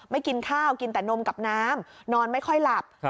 กินข้าวกินแต่นมกับน้ำนอนไม่ค่อยหลับ